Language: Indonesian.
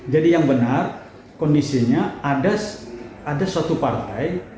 jadi yang benar kondisinya ada suatu partai